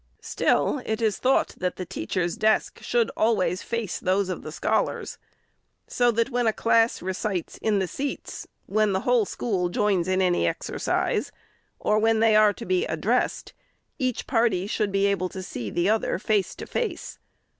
Still, it is thought, that the teacher's desk should always face those of the scholars ; so that when a class recites in the seats, when the whole school joins in any exercise, or when they are to be addressed, each party should be able to see the other face to face.